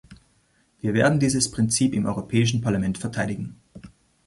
Wir werden dieses Prinzip im Europäischen Parlament verteidigen!